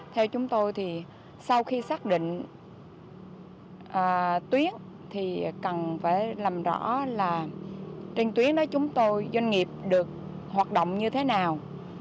theo chúng tôi thì sau khi xác định tuyến thì cần phải làm rõ là trên tuyến đó chúng tôi doanh nghiệp được hoạt động như thế nào